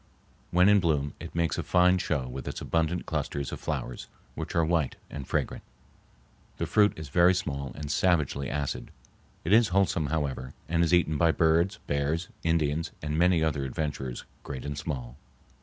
When in bloom it makes a fine show with its abundant clusters of flowers, which are white and fragrant. The fruit is very small and savagely acid. It is wholesome, however, and is eaten by birds, bears, Indians, and many other adventurers, great and small.